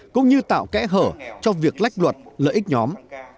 cũng như tạo kẽ hở cho việc lách luật lợi ích nhóm